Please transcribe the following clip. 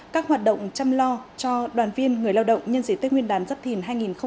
các hoạt động chăm lo cho đoàn viên người lao động nhân sĩ tết nguyên đán giáp thìn hai nghìn hai mươi bốn